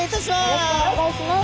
よろしくお願いします。